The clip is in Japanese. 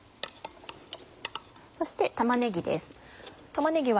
そして玉ねぎです。